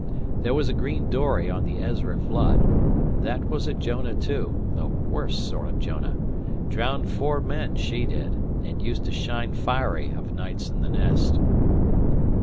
There wuz a green dory on the Ezra Flood. Thet was a Jonah, too, the worst sort o' Jonah. Drowned four men, she did, an' used to shine fiery O, nights in the nest."